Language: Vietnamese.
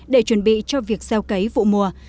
để chuẩn bị cho việc gieo cấy vụ mùa